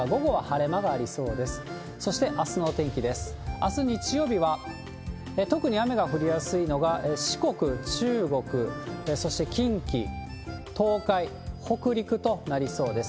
あす日曜日は、特に雨が降りやすいのが、四国、中国、そして近畿、東海、北陸となりそうです。